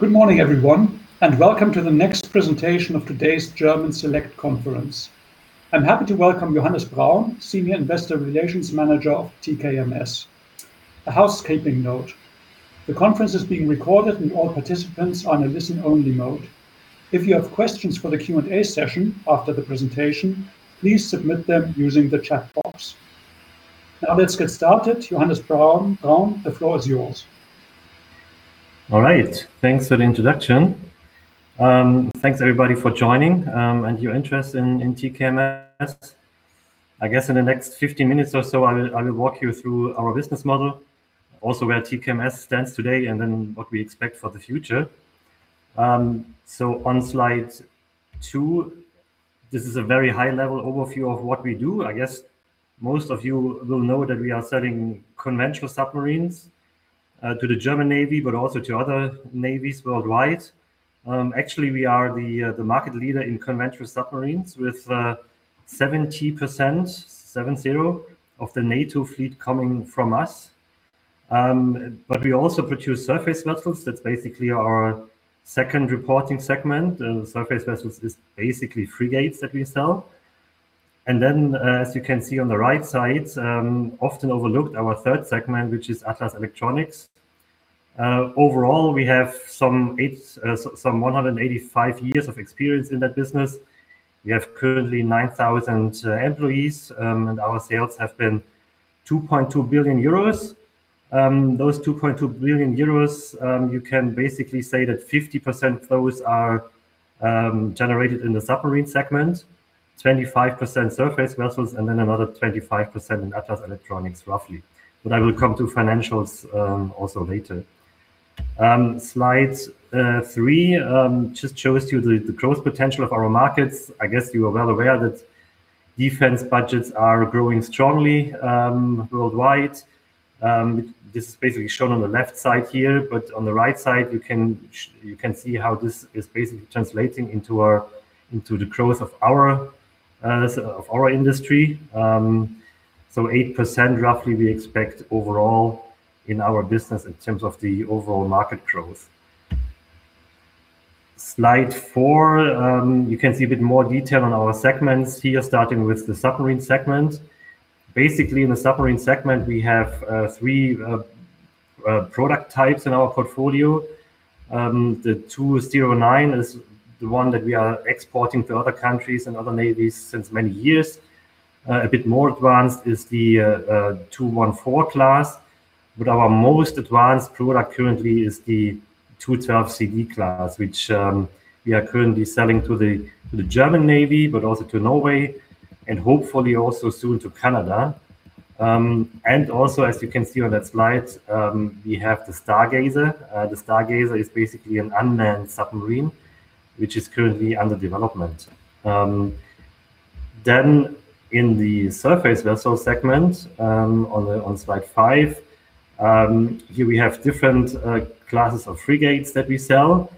Good morning, everyone, and welcome to the next presentation of today's German Select Conference. I'm happy to welcome Johannes Braun, Senior Investor Relations Manager of TKMS. A housekeeping note. The conference is being recorded, and all participants are on a listen-only mode. If you have questions for the Q&A session after the presentation, please submit them using the chat box. Now let's get started. Johannes Braun, the floor is yours. All right. Thanks for the introduction. Thanks everybody for joining, and your interest in TKMS. I guess in the next 15 minutes or so, I will walk you through our business model, also where TKMS stands today, and then what we expect for the future. On slide two, this is a very high-level overview of what we do. I guess most of you will know that we are selling conventional submarines to the German Navy, but also to other navies worldwide. Actually, we are the market leader in conventional submarines, with 70% of the NATO fleet coming from us. We also produce surface vessels. That's basically our second reporting segment. Surface vessels is basically frigates that we sell. As you can see on the right side, often overlooked, our third segment, which is Atlas Elektronik. Overall, we have some 185 years of experience in that business. We have currently 9,000 employees. Our sales have been 2.2 billion euros. Those 2.2 billion euros, you can basically say that 50% of those are generated in the Submarine segment, 25% Surface Vessels, and then another 25% in Atlas Elektronik, roughly. I will come to financials also later. Slide three just shows you the growth potential of our markets. I guess you are well aware that defense budgets are growing strongly worldwide. This is basically shown on the left side here, but on the right side, you can see how this is basically translating into the growth of our industry. 8%, roughly, we expect overall in our business in terms of the overall market growth. Slide four. You can see a bit more detail on our segments here, starting with the Submarine segment. Basically, in the submarine segment, we have three product types in our portfolio. The 209 is the one that we are exporting to other countries and other navies since many years. A bit more advanced is the 214 class. Our most advanced product currently is the 212CD class, which we are currently selling to the German Navy, but also to Norway, and hopefully also soon to Canada. As you can see on that slide, we have the Stargazer. The Stargazer is basically an unmanned submarine, which is currently under development. In the surface vessel segment, on slide five, here we have different classes of frigates that we sell,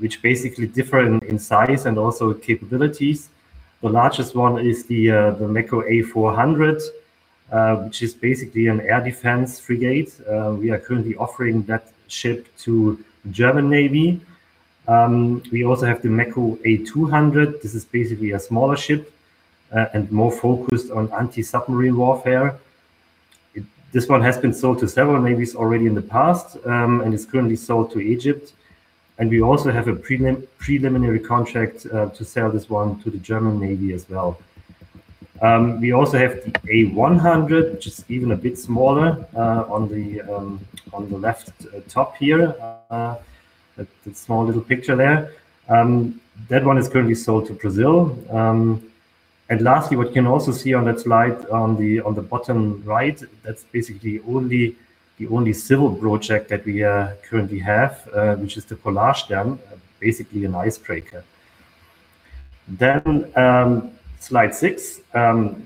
which basically differ in size and also capabilities. The largest one is the MEKO A-400, which is basically an air defense frigate. We are currently offering that ship to the German Navy. We also have the MEKO A-200. This is basically a smaller ship and more focused on anti-submarine warfare. This one has been sold to several navies already in the past, and is currently sold to Egypt. We also have a preliminary contract to sell this one to the German Navy as well. We also have the A-100, which is even a bit smaller, on the left top here, that small little picture there. That one is currently sold to Brazil. Lastly, what you can also see on that slide on the bottom right, that's basically the only civil project that we currently have, which is the Polarstern, basically an icebreaker. Slide six,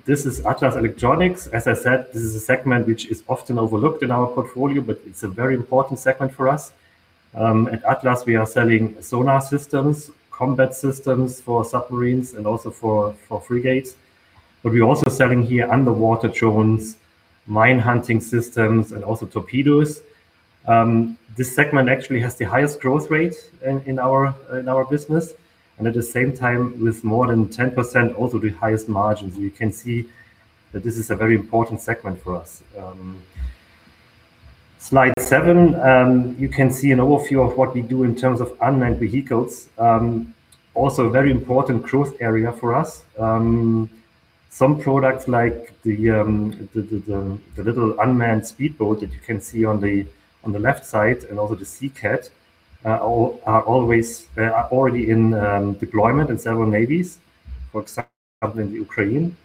this is Atlas Elektronik. As I said, this is a segment which is often overlooked in our portfolio, but it's a very important segment for us. At Atlas, we are selling sonar systems, combat systems for submarines, and also for frigates. We're also selling here underwater drones, mine hunting systems, and also torpedoes. This segment actually has the highest growth rate in our business and, at the same time, with more than 10%, also the highest margins. You can see that this is a very important segment for us. Slide seven. You can see an overview of what we do in terms of unmanned vehicles, also a very important growth area for us. Some products like the little unmanned speedboat that you can see on the left side, and also the SeaCat, are already in deployment in several navies, for example, in the Ukraine.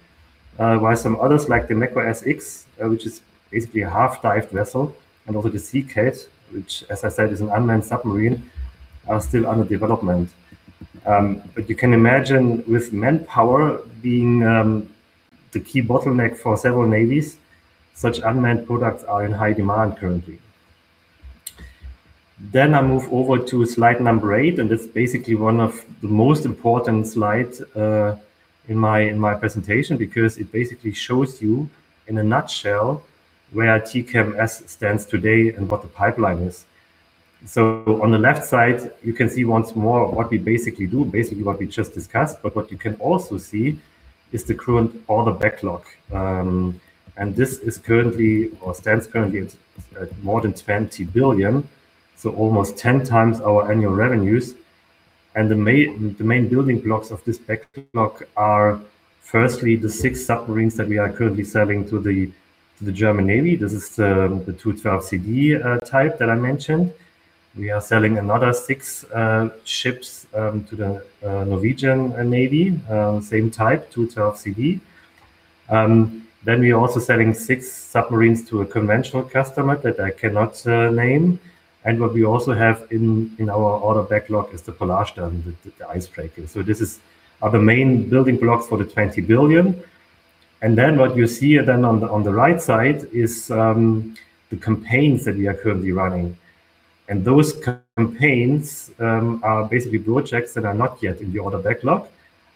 While some others, like the MEKO S-X, which is basically a half-dive vessel, and also the SeaCat, which, as I said, is an unmanned submarine, are still under development. You can imagine with manpower being the key bottleneck for several navies, such unmanned products are in high demand currently. I move over to slide number eight, and that's basically one of the most important slides in my presentation because it basically shows you in a nutshell where TKMS stands today and what the pipeline is. On the left side, you can see once more what we basically do, basically what we just discussed, but what you can also see is the current order backlog. This stands currently at more than 20 billion, so almost 10x our annual revenues. The main building blocks of this backlog are firstly the six submarines that we are currently selling to the German Navy. This is the Type 212CD that I mentioned. We are selling another six ships to the Norwegian Navy, same type, Type 212CD. We are also selling six submarines to a conventional customer that I cannot name. What we also have in our order backlog is the Polarstern, the icebreaker. This are the main building blocks for the 20 billion. What you see then on the right side is the campaigns that we are currently running. Those campaigns are basically projects that are not yet in the order backlog,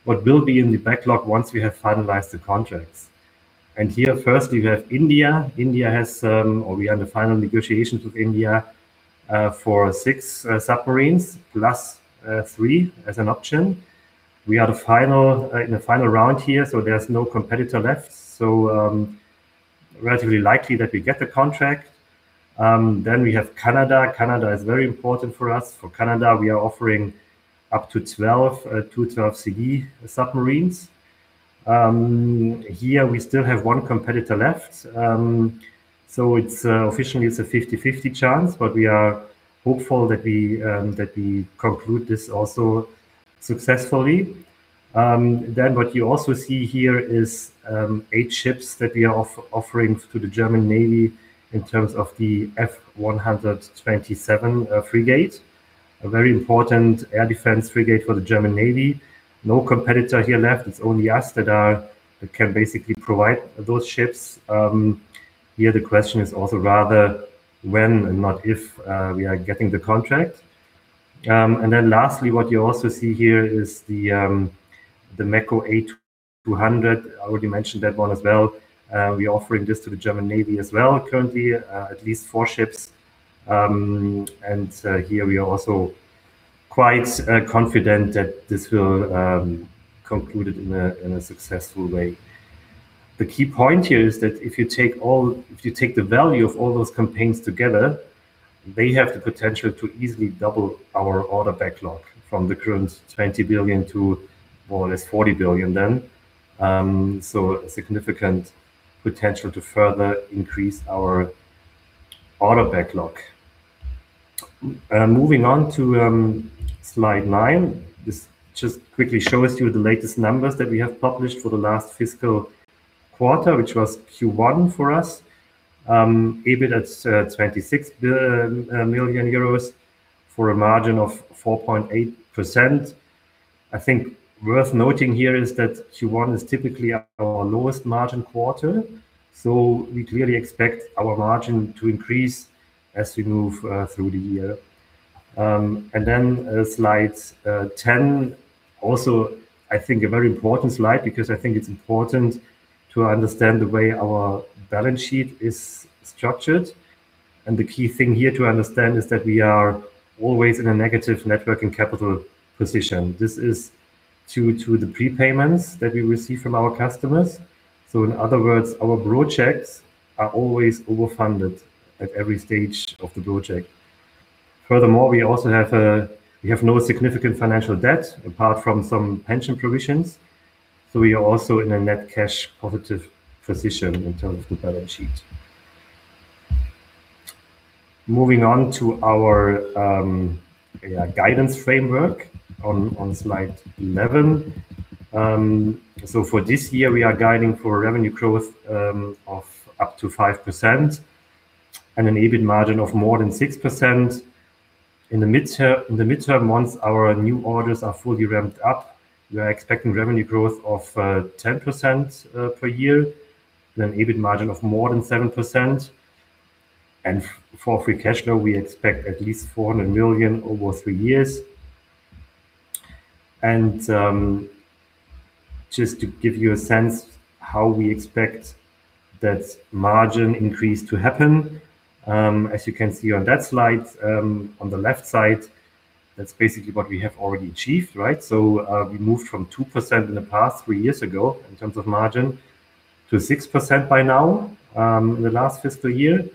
but will be in the backlog once we have finalized the contracts. Here first we have India. We are in the final negotiations with India for six submarines plus three as an option. We are in the final round here, so there's no competitor left. Relatively likely that we get the contract. We have Canada. Canada is very important for us. For Canada, we are offering up to 12 212CD submarines. Here, we still have one competitor left. Officially, it's a 50/50 chance, but we are hopeful that we conclude this also successfully. What you also see here is eight ships that we are offering to the German Navy in terms of the F127 frigate, a very important air defense frigate for the German Navy. No competitor here left. It's only us that can basically provide those ships. Here the question is also rather when and not if we are getting the contract. Lastly, what you also see here is the MEKO A-200. I already mentioned that one as well. We are offering this to the German Navy as well currently, at least four ships. Here we are also quite confident that this will concluded in a successful way. The key point here is that if you take the value of all those campaigns together, they have the potential to easily double our order backlog from the current 20 billion to more or less 40 billion then. So a significant potential to further increase our order backlog. Moving on to slide nine. This just quickly shows you the latest numbers that we have published for the last fiscal quarter, which was Q1 for us. EBIT at 26 million euros for a margin of 4.8%. I think worth noting here is that Q1 is typically our lowest margin quarter, so we'd really expect our margin to increase as we move through the year. And then slide 10, also I think a very important slide because I think it's important to understand the way our balance sheet is structured. The key thing here to understand is that we are always in a negative working capital position. This is due to the prepayments that we receive from our customers. In other words, our projects are always overfunded at every stage of the project. Furthermore, we have no significant financial debt apart from some pension provisions. We are also in a net cash positive position in terms of the balance sheet. Moving on to our guidance framework on slide eleven. For this year, we are guiding for revenue growth of up to 5% and an EBIT margin of more than 6%. In the midterm, once our new orders are fully ramped up, we are expecting revenue growth of 10% per year and an EBIT margin of more than 7%. For free cash flow, we expect at least 400 million over three years. Just to give you a sense how we expect that margin increase to happen, as you can see on that slide, on the left side, that's basically what we have already achieved, right? We moved from 2% in the past three years ago in terms of margin to 6% by now, in the last fiscal year.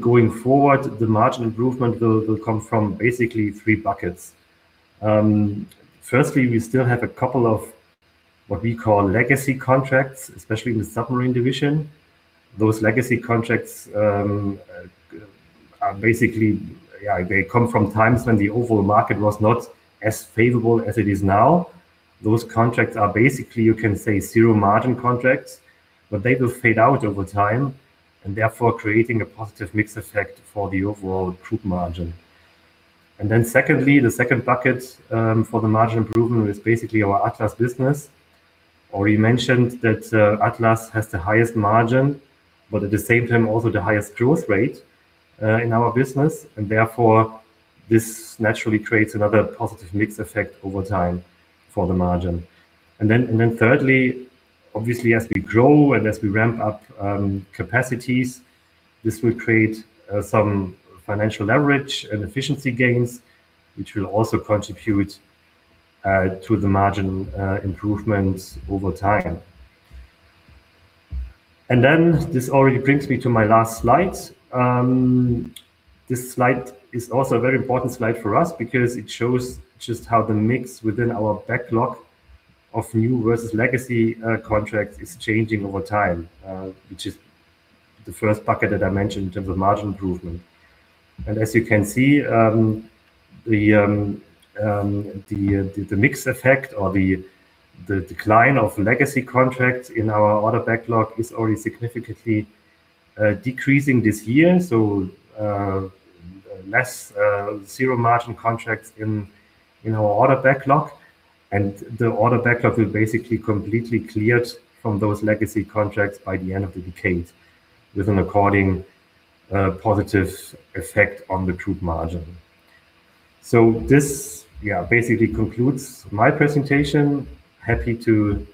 Going forward, the margin improvement will come from basically three buckets. Firstly, we still have a couple of what we call legacy contracts, especially in the submarine division. Those legacy contracts are basically, they come from times when the overall market was not as favorable as it is now. Those contracts are basically, you can say, zero margin contracts, but they will fade out over time and therefore creating a positive mix effect for the overall group margin. Secondly, the second bucket for the margin improvement is basically our Atlas business. I already mentioned that Atlas has the highest margin, but at the same time also the highest growth rate in our business. This naturally creates another positive mix effect over time for the margin. Thirdly, obviously, as we grow and as we ramp up capacities, this will create some financial leverage and efficiency gains, which will also contribute to the margin improvements over time. This already brings me to my last slide. This slide is also a very important slide for us because it shows just how the mix within our backlog of new versus legacy contracts is changing over time, which is the first bucket that I mentioned in terms of margin improvement. As you can see, the mix effect or the decline of legacy contracts in our order backlog is already significantly decreasing this year. Less zero-margin contracts in our order backlog, and the order backlog will basically completely cleared from those legacy contracts by the end of the decade with an according positive effect on the Group margin. This basically concludes my presentation. Happy to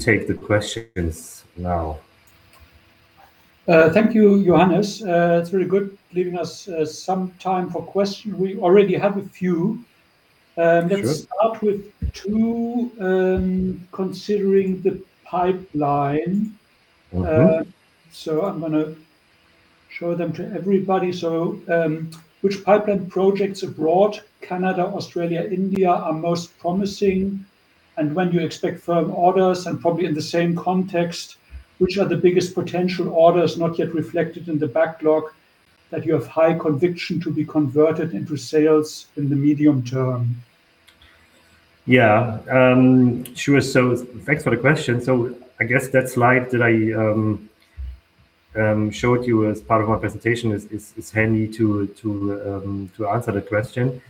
take the questions now. Thank you, Johannes. It's very good leaving us some time for questions. We already have a few. Sure. Let's start with two considering the pipeline. Mm-hmm. I'm going to show them to everybody. Which pipeline projects abroad, Canada, Australia, India, are most promising, and when do you expect firm orders? Probably in the same context, which are the biggest potential orders not yet reflected in the backlog that you have high conviction to be converted into sales in the medium term? Yeah. Sure. Thanks for the question. I guess that slide that I showed you as part of my presentation is handy to answer the question.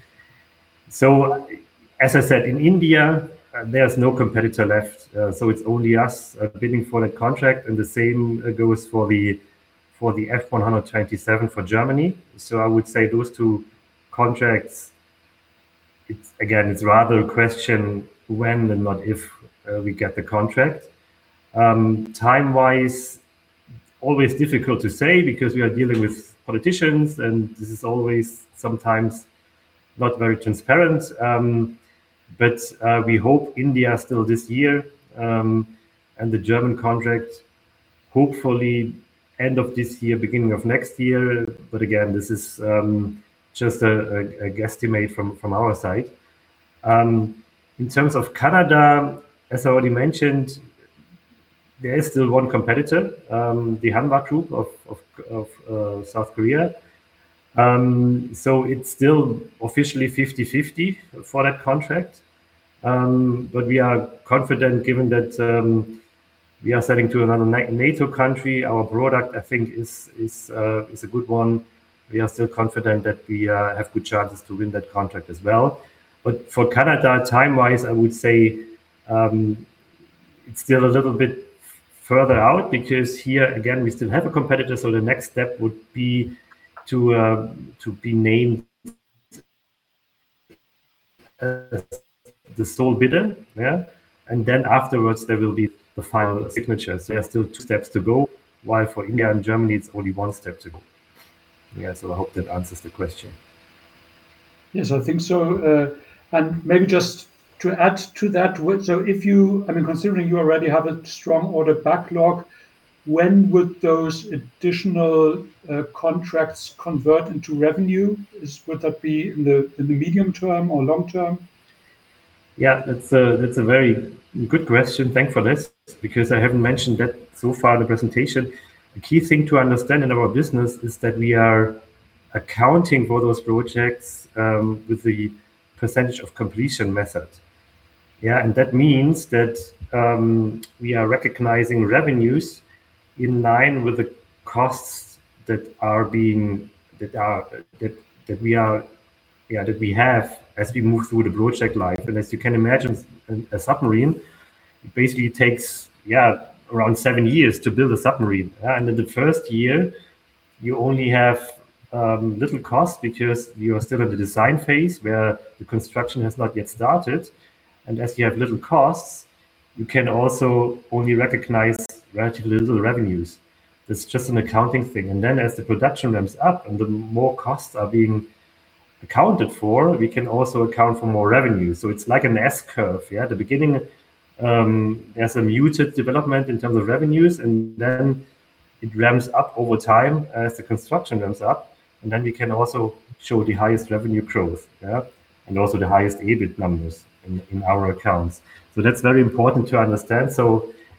As I said, in India, there's no competitor left, so it's only us bidding for that contract, and the same goes for the F127 for Germany. I would say those two contracts, again, it's rather a question when than not if we get the contract. Time-wise, always difficult to say because we are dealing with politicians, and this is always sometimes not very transparent. We hope India still this year, and the German contract, hopefully end of this year, beginning of next year. Again, this is just a guesstimate from our side. In terms of Canada, as I already mentioned, there is still one competitor, the Hanwha Group of South Korea. It's still officially 50/50 for that contract. We are confident given that we are selling to another NATO country. Our product, I think, is a good one. We are still confident that we have good chances to win that contract as well. For Canada, time-wise, I would say, it's still a little bit further out because here again, we still have a competitor, so the next step would be to be named the sole bidder. Yeah. Afterwards, there will be the final signature. There are still two steps to go. While for India and Germany, it's only one step to go. Yeah. I hope that answers the question. Yes, I think so. Maybe just to add to that, considering you already have a strong order backlog, when would those additional contracts convert into revenue? Would that be in the medium term or long term? Yeah, that's a very good question. Thanks for this, because I haven't mentioned that so far in the presentation. The key thing to understand in our business is that we are accounting for those projects with the percentage of completion method. Yeah. That means that we are recognizing revenues in line with the costs that we have as we move through the project life. As you can imagine, a submarine, basically it takes around seven years to build a submarine. In the first year, you only have little cost because you are still at the design phase where the construction has not yet started. As you have little costs, you can also only recognize relatively little revenues. That's just an accounting thing. As the production ramps up and the more costs are being accounted for, we can also account for more revenues. It's like an S curve. At the beginning, there's a muted development in terms of revenues, and then it ramps up over time as the construction ramps up, and then we can also show the highest revenue growth. Yeah. Also the highest EBIT numbers in our accounts. That's very important to understand.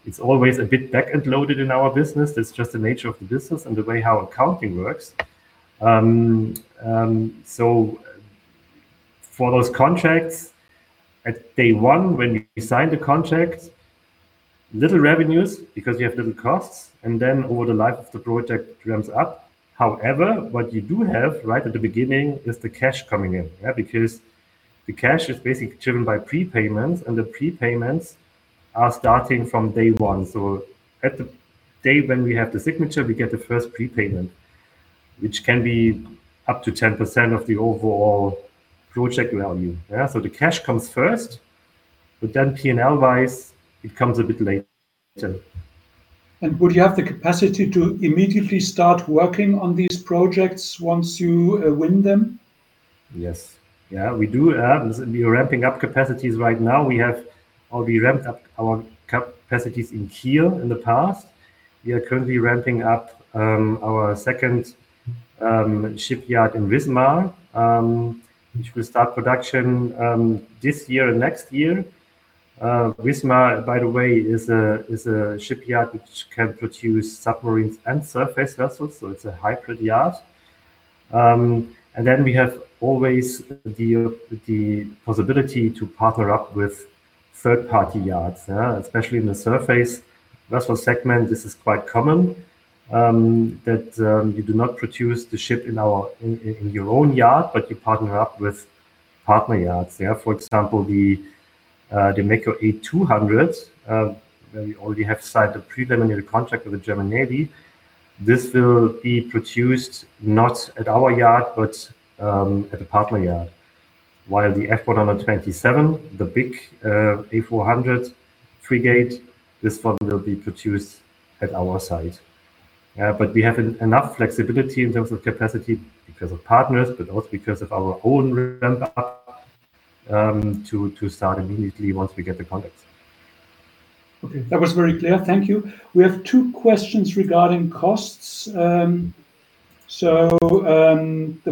It's always a bit back-end loaded in our business. That's just the nature of the business and the way how accounting works. For those contracts, at day one, when you sign the contract, little revenues because you have little costs, and then over the life of the project, it ramps up. However, what you do have right at the beginning is the cash coming in. Because the cash is basically driven by prepayments, and the prepayments are starting from day one. At the day when we have the signature, we get the first prepayment, which can be up to 10% of the overall project value. Yeah. The cash comes first, but then P&L-wise, it comes a bit later. Would you have the capacity to immediately start working on these projects once you win them? Yes. Yeah, we do have. We are ramping up capacities right now. We ramped up our capacities in Kiel in the past. We are currently ramping up our second shipyard in Wismar, which will start production this year and next year. Wismar, by the way, is a shipyard which can produce submarines and surface vessels, so it's a hybrid yard. We have always the possibility to partner up with third-party yards. Especially in the surface vessel segment, this is quite common that you do not produce the ship in your own yard, but you partner up with partner yards. For example, the MEKO A-200s where we already have signed a preliminary contract with the German Navy. This will be produced not at our yard, but at a partner yard. While the F127, the big A-400 frigate, this one will be produced at our site. We have enough flexibility in terms of capacity because of partners, but also because of our own ramp-up, to start immediately once we get the contracts. Okay. That was very clear. Thank you. We have two questions regarding costs. The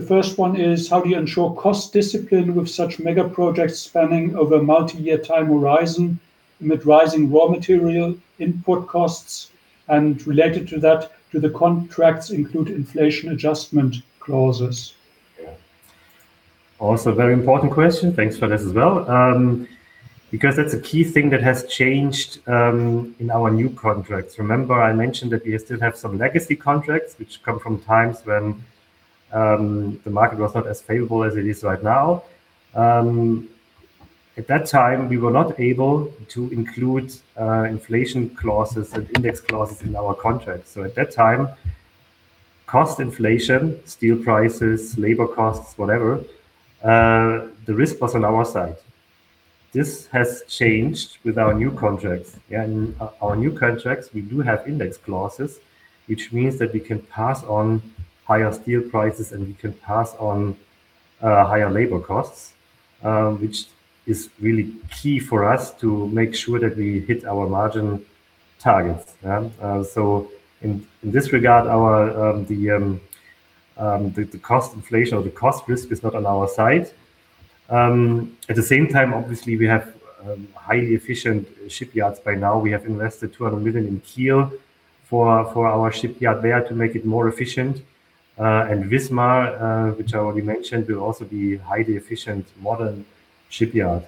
first one is, how do you ensure cost discipline with such mega projects spanning over multi-year time horizon amid rising raw material input costs? Related to that, do the contracts include inflation adjustment clauses? Also, very important question, thanks for this as well because that's a key thing that has changed in our new contracts. Remember I mentioned that we still have some legacy contracts, which come from times when the market was not as favorable as it is right now. At that time, we were not able to include inflation clauses and index clauses in our contracts. At that time, cost inflation, steel prices, labor costs, whatever, the risk was on our side. This has changed with our new contracts. In our new contracts, we do have index clauses, which means that we can pass on higher steel prices, and we can pass on higher labor costs, which is really key for us to make sure that we hit our margin targets. In this regard, the cost inflation or the cost risk is not on our side. At the same time, obviously, we have highly efficient shipyards by now. We have invested 200 million in Kiel for our shipyard there to make it more efficient. Wismar, which I already mentioned, will also be highly efficient, modern shipyard.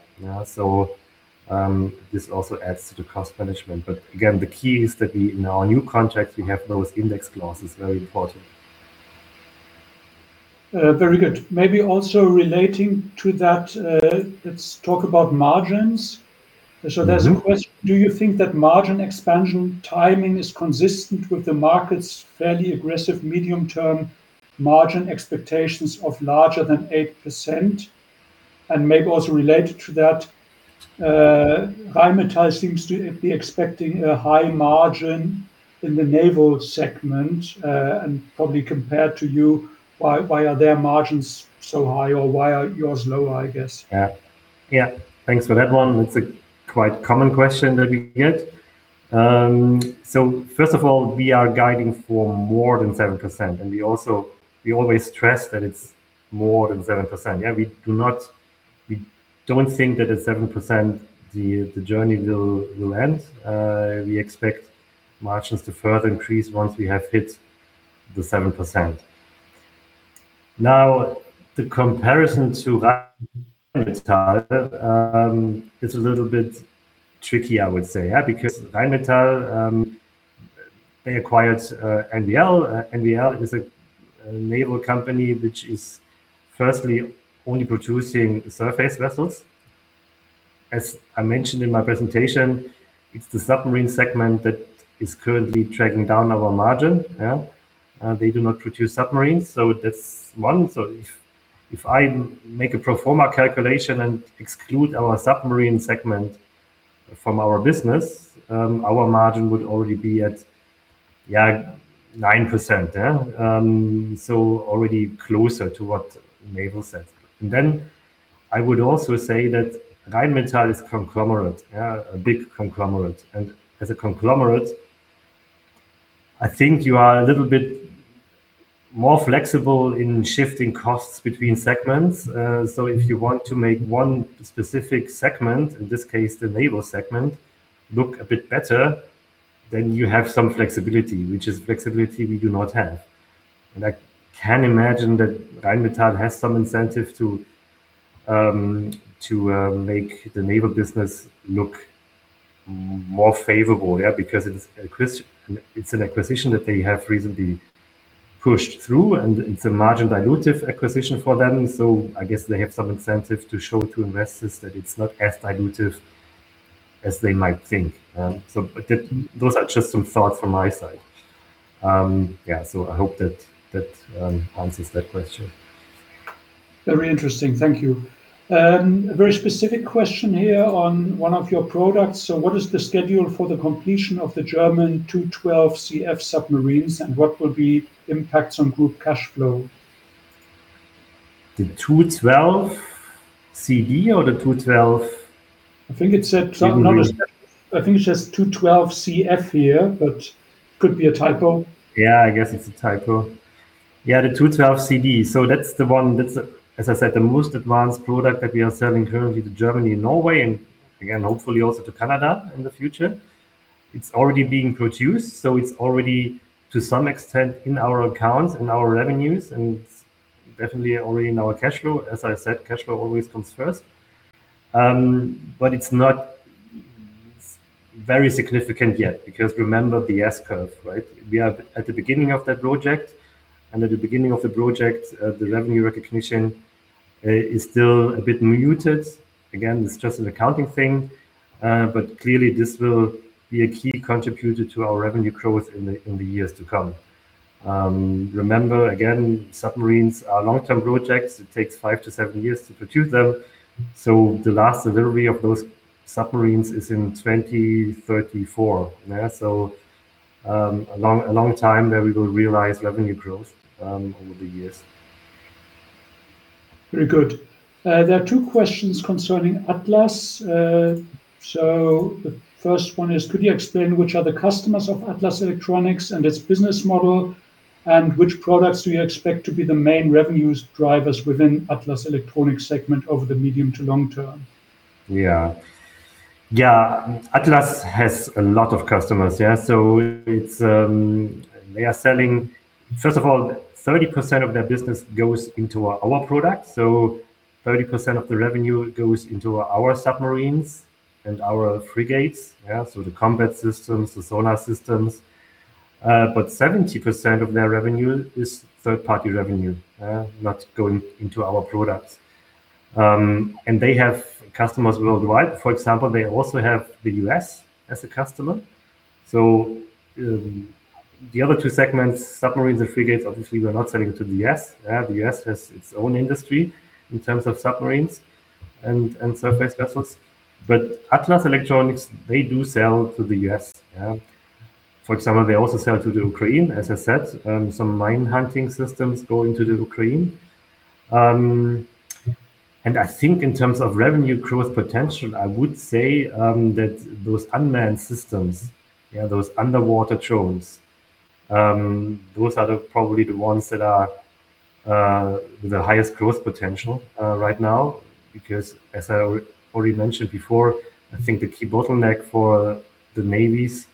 This also adds to the cost management. Again, the key is that in our new contracts, we have those index clauses. Very important. Very good. Maybe also relating to that, let's talk about margins. Mm-hmm. There's a question. Do you think that margin expansion timing is consistent with the market's fairly aggressive medium-term margin expectations of larger than 8%? Maybe also related to that, Rheinmetall seems to be expecting a high margin in the naval segment and probably compared to you. Why are their margins so high, or why are yours lower, I guess? Yeah. Thanks for that one. That's a quite common question that we get. First of all, we are guiding for more than 7%, and we always stress that it's more than 7%. We don't think that at 7% the journey will end. We expect margins to further increase once we have hit the 7%. Now, the comparison to Rheinmetall, it's a little bit tricky, I would say. Because Rheinmetall, they acquired NVL. NVL is a naval company which is firstly only producing surface vessels. As I mentioned in my presentation, it's the submarine segment that is currently dragging down our margin. Yeah. They do not produce submarines, so that's one. If I make a pro forma calculation and exclude our submarine segment from our business, our margin would already be at 9%. Already closer to what NVL says. I would also say that Rheinmetall is conglomerate, a big conglomerate. As a conglomerate, I think you are a little bit more flexible in shifting costs between segments. If you want to make one specific segment, in this case, the naval segment, look a bit better, then you have some flexibility, which is flexibility we do not have. I can imagine that Rheinmetall has some incentive to make the naval business look more favorable because it's an acquisition that they have recently pushed through, and it's a margin dilutive acquisition for them. I guess they have some incentive to show to investors that it's not as dilutive as they might think. Those are just some thoughts from my side. Yeah, I hope that answers that question. Very interesting. Thank you. A very specific question here on one of your products. What is the schedule for the completion of the German 212CD submarines, and what will be impacts on group cash flow? The 212CD or the 212. I think it said. Submarine? I think it says 212CF here, but could be a typo. Yeah, I guess it's a typo. Yeah, the 212CD. That's the one that's, as I said, the most advanced product that we are selling currently to Germany and Norway, and again, hopefully also to Canada in the future. It's already being produced, so it's already, to some extent, in our accounts, in our revenues, and it's definitely already in our cash flow. As I said, cash flow always comes first. It's not very significant yet because remember the S curve, right? We are at the beginning of that project, and at the beginning of the project, the revenue recognition is still a bit muted. Again, it's just an accounting thing. Clearly, this will be a key contributor to our revenue growth in the years to come. Remember, again, submarines are long-term projects. It takes five to seven years to produce them. The last delivery of those submarines is in 2034, yeah, a long time that we will realize revenue growth over the years. Very good. There are two questions concerning Atlas. So the first one is, could you explain which are the customers of Atlas Elektronik and its business model, and which products do you expect to be the main revenues drivers within Atlas Elektronik segment over the medium to long term? Yeah. Atlas has a lot of customers, yeah? They are selling, first of all, 30% of their business goes into our products. 30% of the revenue goes into our submarines and our frigates, yeah, so the combat systems, the sonar systems. 70% of their revenue is third-party revenue, not going into our products. They have customers worldwide. For example, they also have the U.S. as a customer. The other two segments, submarines and frigates, obviously, we're not selling it to the U.S. The U.S. has its own industry in terms of submarines and surface vessels. Atlas Elektronik, they do sell to the U.S., yeah. For example, they also sell to the Ukraine, as I said, some mine hunting systems going to the Ukraine. I think in terms of revenue growth potential, I would say that those unmanned systems, those underwater drones, those are probably the ones that are the highest growth potential right now. Because as I already mentioned before, I think the key bottleneck for the navies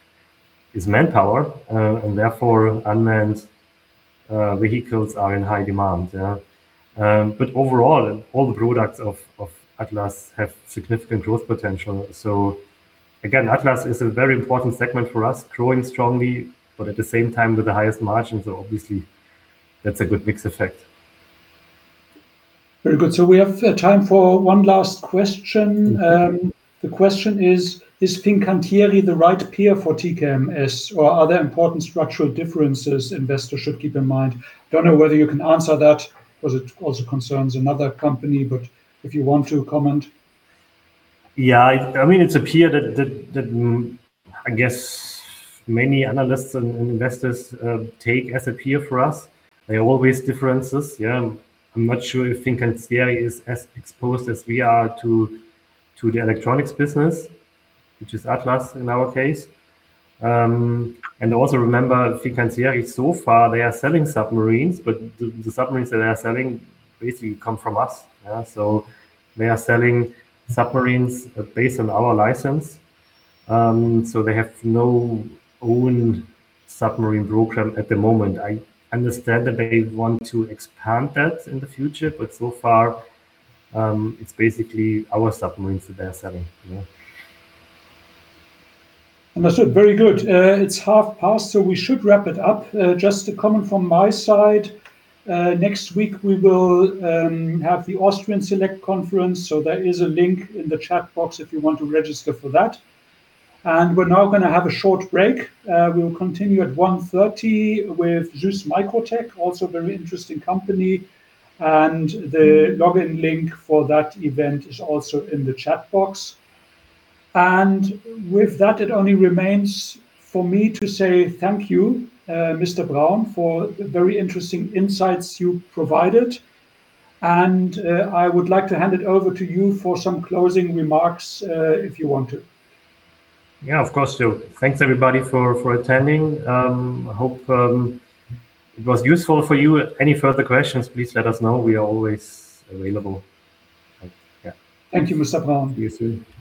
is manpower, and therefore unmanned vehicles are in high demand, yeah. Overall, all the products of Atlas have significant growth potential. Again, Atlas is a very important segment for us, growing strongly, but at the same time, with the highest margins. Obviously, that's a good mix effect. Very good. We have time for one last question. The question is Fincantieri the right peer for TKMS, or are there important structural differences investors should keep in mind? I don't know whether you can answer that because it also concerns another company, but if you want to comment. Yeah. It's a peer that I guess many analysts and investors take as a peer for us. There are always differences, yeah. I'm not sure if Fincantieri is as exposed as we are to the electronics business, which is Atlas in our case. Also remember, Fincantieri, so far, they are selling submarines, but the submarines that they are selling basically come from us. Yeah, they are selling submarines based on our license. They have no owned submarine program at the moment. I understand that they want to expand that in the future, but so far, it's basically our submarines that they are selling, yeah. Understood. Very good. It's half past, so we should wrap it up. Just a comment from my side. Next week, we will have the Austrian Select Conference, so there is a link in the chat box if you want to register for that. We're now going to have a short break. We will continue at 1:30 P.M. with SÜSS MicroTec, also very interesting company. The login link for that event is also in the chat box. With that, it only remains for me to say thank you, Mr. Braun, for very interesting insights you provided. I would like to hand it over to you for some closing remarks, if you want to. Yeah, of course. Thanks, everybody, for attending. I hope it was useful for you. Any further questions, please let us know. We are always available. Yeah. Thank you, Mr. Braun. You too.